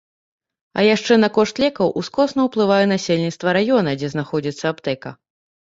А яшчэ на кошт лекаў ускосна ўплывае насельніцтва раёна, дзе знаходзіцца аптэка.